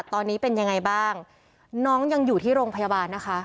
ก็เลยต้องรีบไปแจ้งให้ตรวจสอบคือตอนนี้ครอบครัวรู้สึกไม่ไกล